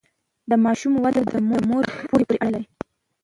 د ماشوم وده د مور په پوهه پورې اړه لري۔